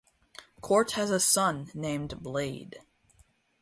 Court has a son named Blaede.